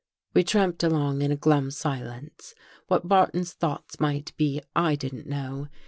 We tramped along in a glum silence. What Barton's thoughts might be I didn't know.